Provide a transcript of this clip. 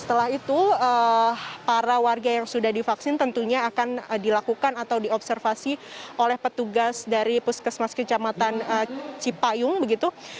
setelah itu para warga yang sudah divaksin tentunya akan dilakukan atau diobservasi oleh petugas dari puskesmas kecamatan cipayung begitu